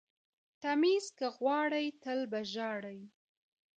ـ تميز که غواړئ تل به ژاړئ.